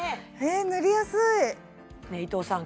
塗りやすいねえ伊藤さん